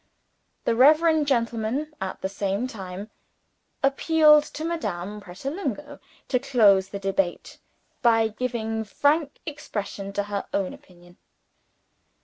The reverend gentleman, at the same time, appealed to Madame Pratolungo to close the debate by giving frank expression to her own opinion.